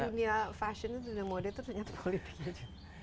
jadi di dunia fashion di dunia mode itu ternyata politik aja